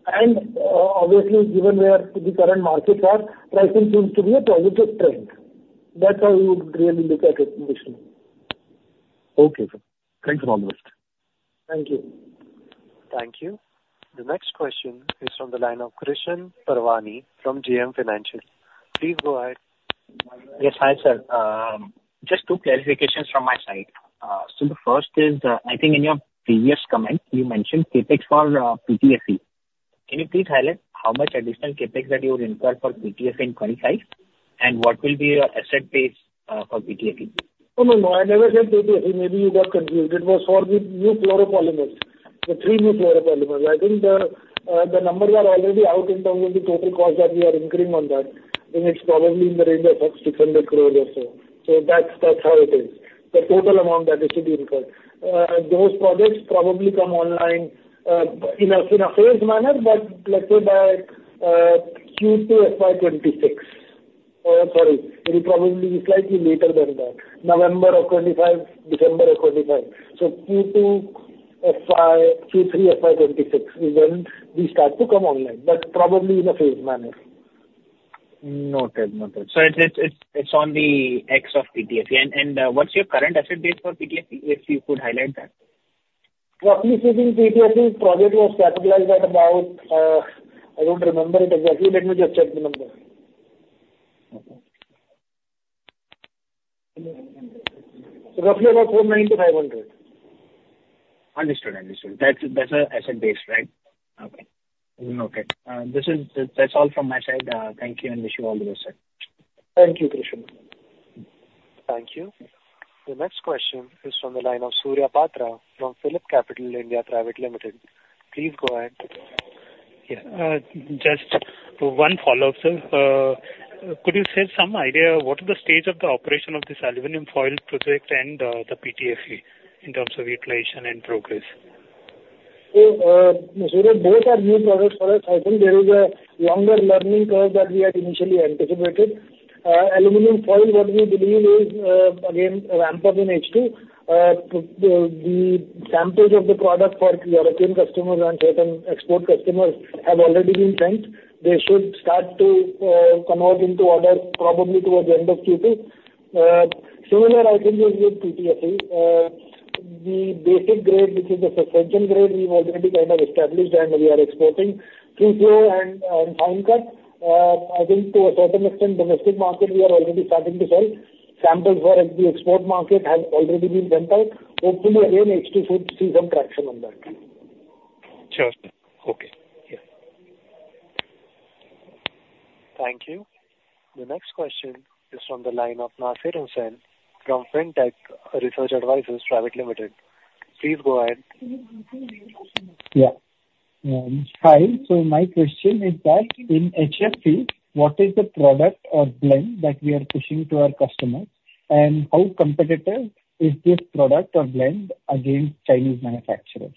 And obviously, given where the current markets are, pricing seems to be a positive trend. That's how we would really look at it, Vishnu. Okay, sir. Thanks a lot. Thank you. Thank you. The next question is from the line of Krishan Parwani from JM Financial. Please go ahead. Yes. Hi, sir. Just two clarifications from my side. So the first is that I think in your previous comment, you mentioned CapEx for PTFE. Can you please highlight how much additional CapEx that you would incur for PTFE in 25? And what will be your asset base for PTFE? Oh, no, no, I never said PTFE. Maybe you got confused. It was for the new fluoropolymers, the three new fluoropolymers. I think the, the numbers are already out in terms of the total cost that we are incurring on that, and it's probably in the range of up to 600 crore or so. So that's, that's how it is, the total amount that is to be incurred. Those products probably come online, in a, in a phased manner, but let's say by Q2 FY2026. Sorry, it will probably be slightly later than that. November of 2025, December of 2025. So Q2 FY... Q3 FY2026 is when we start to come online, but probably in a phased manner. Noted. Noted. So it's on the CapEx of PTFE. And what's your current asset base for PTFE, if you could highlight that? Roughly speaking, PTFE project was capitalized at about, I don't remember it exactly. Let me just check the number. Roughly about 490-500. Understood. Understood. That's, that's an asset base, right? Okay. Okay, this is, that's all from my side. Thank you, and wish you all the best, sir. Thank you, Krishan. Thank you. The next question is from the line of Surya Patra from PhillipCapital India Private Limited. Please go ahead. Yeah, just one follow-up, sir. Could you share some idea what is the stage of the operation of this aluminum foil project and the PTFE in terms of utilization and progress? So, Surya, those are new products for us. I think there is a longer learning curve than we had initially anticipated. Aluminum foil, what we believe is, again, ramp up in H2. The samples of the product for European customers and certain export customers have already been sent. They should start to convert into orders probably towards the end of Q2. Similar, I think, is with PTFE. The basic grade, which is the suspension grade, we've already kind of established and we are exporting. Free flow and fine cut, I think to a certain extent, domestic market, we are already starting to sell. Samples for the export market have already been sent out. Hopefully, again, H2 should see some traction on that. Sure. Okay. Yeah. Thank you. The next question is from the line of Nasir Hussain from Fintech Research Advisors Private Limited. Please go ahead. Yeah. Hi, so my question is that in HFC, what is the product or blend that we are pushing to our customers? And how competitive is this product or blend against Chinese manufacturers?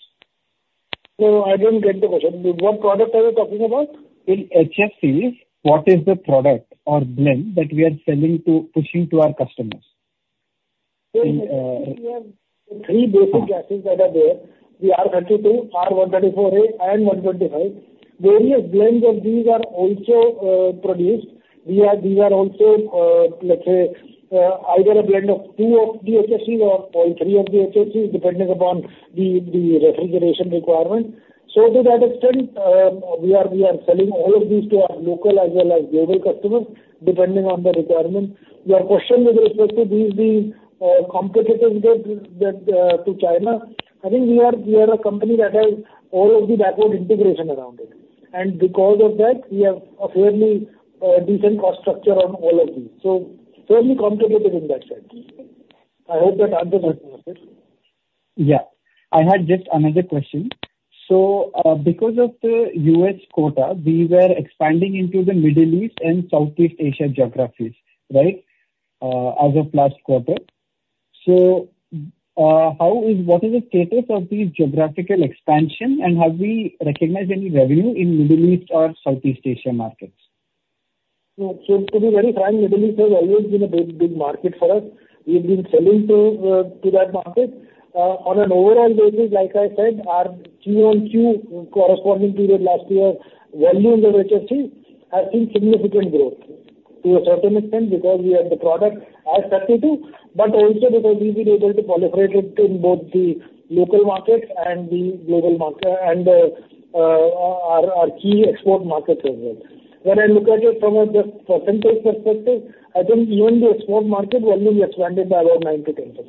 I don't get the question. What product are you talking about? In HFCs, what is the product or blend that we are selling to, pushing to our customers? In three basic gases that are there, the R-32, R-134a, and R-125. Various blends of these are also produced. We are, we are also, let's say, either a blend of two of the HFCs or all three of the HFCs, depending upon the, the refrigeration requirement. So to that extent, we are, we are selling all of these to our local as well as global customers, depending on the requirement. Your question with respect to the, the, competitiveness that, that, to China, I think we are, we are a company that has all of the backward integration around it, and because of that, we have a fairly, decent cost structure on all of these. So fairly competitive in that sense. I hope that answers your question. Yeah. I had just another question. So, because of the U.S. quota, we were expanding into the Middle East and Southeast Asia geographies, right? As of last quarter. So, What is the status of the geographical expansion, and have we recognized any revenue in Middle East or Southeast Asia markets? So, so to be very frank, Middle East has always been a big, big market for us. We've been selling to that market. On an overall basis, like I said, our Q-on-Q corresponding period last year, volume in the HFC has seen significant growth to a certain extent because we have the product as competitive, but also because we've been able to proliferate it in both the local markets and the global market and our key export markets as well. When I look at it from a just percentage perspective, I think even the export market volume expanded by around 9%-10%.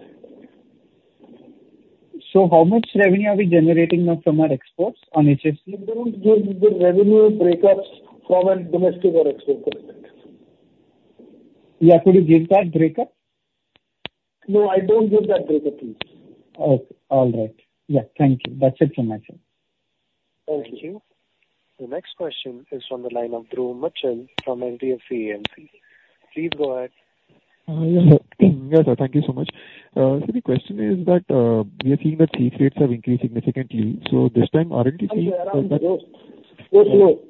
So how much revenue are we generating now from our exports on HFC? We don't give the revenue breakups from a domestic or export perspective. Yeah. Could you give that breakup? No, I don't give that breakup, please. Okay. All right. Yeah, thank you. That's it from my side. Thank you. The next question is from the line of Dhruv Muchhal from HDFC Asset Management Company. Please go ahead. Yeah. Yes, sir, thank you so much. So the question is that, we are seeing that fee rates have increased significantly. So this time, aren't you seeing- Sorry, sir, speak slow.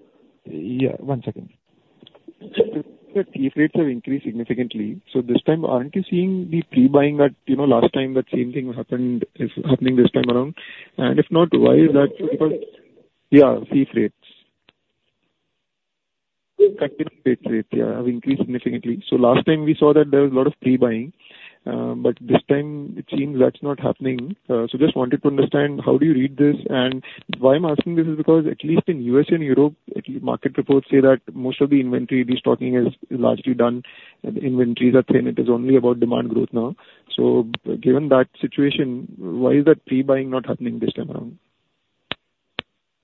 Yeah, one second. The fee rates have increased significantly, so this time, aren't you seeing the pre-buying that, you know, last time that same thing happened, is happening this time around? And if not, why is that? Fee rates. Yeah, freight rates. Container rates, yeah, have increased significantly. So last time we saw that there was a lot of pre-buying, but this time it seems that's not happening. So just wanted to understand how do you read this? And why I'm asking this is because at least in U.S. and Europe, at least market reports say that most of the inventory destocking is largely done, and the inventories are thin. It is only about demand growth now. So given that situation, why is that pre-buying not happening this time around?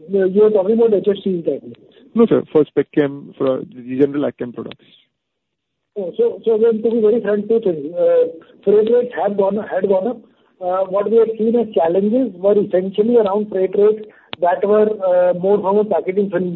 You're talking about HFCs I believe? No, sir, for spec chem, for the general chem products. Oh, so again, to be very frank, two things. Freight rates have gone, had gone up. What we have seen as challenges were essentially around freight rates that were more from a packaging film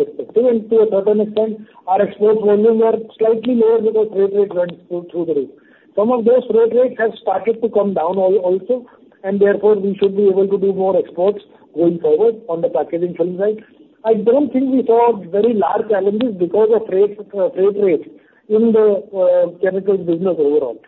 perspective, and to a certain extent, our export volumes are slightly lower because freight rates went through the roof. Some of those freight rates have started to come down also, and therefore, we should be able to do more exports going forward on the packaging film side. I don't think we saw very large challenges because of freight rates in the chemicals business overall.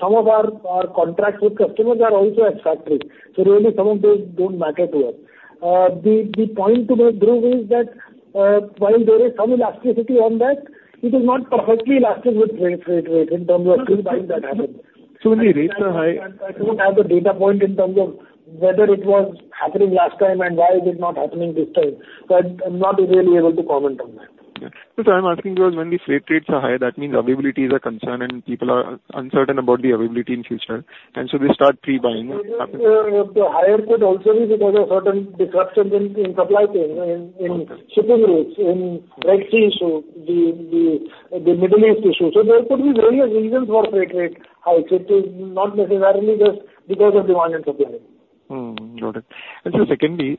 Some of our contracts with customers are also at factory, so really, some of those don't matter to us. The point, Dhruv, is that while there is some elasticity on that, it is not perfectly elastic with freight rates in terms of pre-buying that happened. When the rates are high- I don't have the data point in terms of whether it was happening last time and why is it not happening this time, but I'm not really able to comment on that. Yeah. I'm asking because when the freight rates are high, that means availabilities are concerned, and people are uncertain about the availability in future, and so they start pre-buying. The higher could also be because of certain disruptions in supply chain, in shipping routes, in Red Sea issue, the Middle East issue. So there could be various reasons for freight rate highs. It is not necessarily just because of demand and supply only. Mm, got it. And so secondly,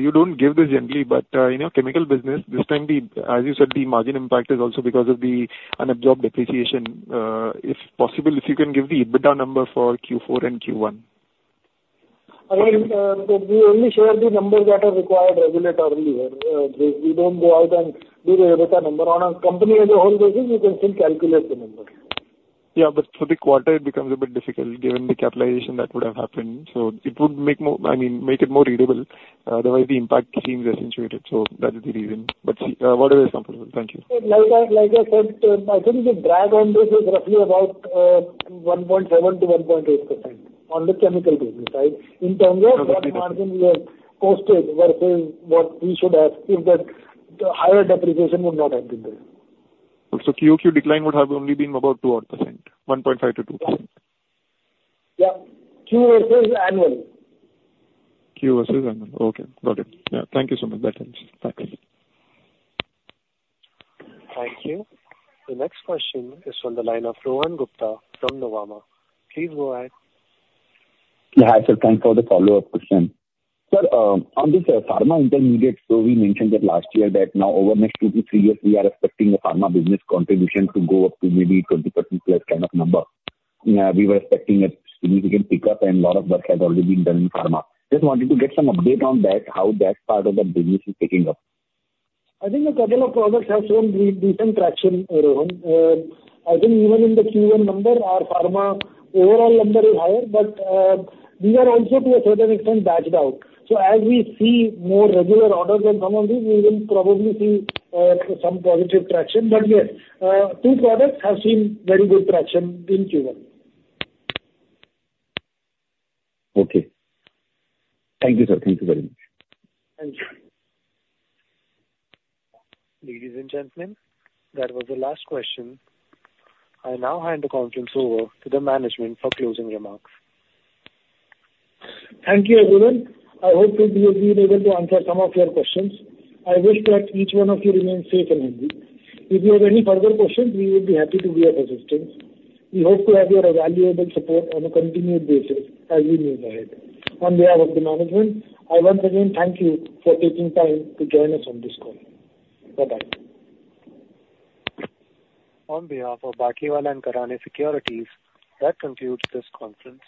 you don't give this generally, but, in your chemical business, this time the, as you said, the margin impact is also because of the unabsorbed depreciation. If possible, if you can give the EBITDA number for Q4 and Q1. Again, so we only share the numbers that are required regularly. We don't go out and do the EBITDA number. On a company as a whole basis, you can still calculate the number. Yeah, but for the quarter, it becomes a bit difficult given the capitalization that would have happened. So it would make more... I mean, make it more readable, otherwise the impact seems accentuated, so that is the reason. But, whatever is comfortable. Thank you. Like I, like I said, I think the drag on this is roughly about, 1.7%-1.8% on the chemical business, right? In terms of what margin we have posted versus what we should have if that, the higher depreciation would not have been there. So QoQ decline would have only been about 2-odd%, 1.5%-2%? Yeah, Q versus annual. Q versus annual. Okay, got it. Yeah. Thank you so much. That helps. Bye. Thank you. The next question is from the line of Rohan Gupta from Nuvama. Please go ahead. Yeah, hi, sir. Thanks for the follow-up question. Sir, on this pharma intermediate, so we mentioned it last year that now over next two to three years, we are expecting the pharma business contribution to go up to maybe 20% plus kind of number. We were expecting a significant pickup, and lot of work has already been done in pharma. Just wanted to get some update on that, how that part of the business is picking up? I think a couple of products have shown recent traction, Rohan. I think even in the Q1 number, our pharma overall number is higher, but, we are also to a certain extent, batched out. So as we see more regular orders on some of these, we will probably see, some positive traction. But yes, two products have seen very good traction in Q1. Okay. Thank you, sir. Thank you very much. Thank you. Ladies and gentlemen, that was the last question. I now hand the conference over to the management for closing remarks. Thank you, everyone. I hope we've been able to answer some of your questions. I wish that each one of you remain safe and healthy. If you have any further questions, we would be happy to be of assistance. We hope to have your valuable support on a continued basis as we move ahead. On behalf of the management, I once again thank you for taking time to join us on this call. Bye-bye. On behalf of Batlivala & Karani Securities, that concludes this conference.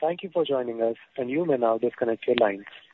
Thank you for joining us, and you may now disconnect your lines.